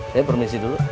saya permisi dulu